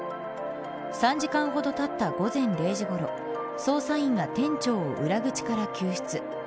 ３時間ほどたった午前０時ごろ捜査員が店長を裏口から救出。